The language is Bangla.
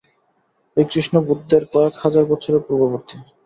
এই কৃষ্ণ বুদ্ধের কয়েক হাজার বৎসরের পূর্ববর্তী।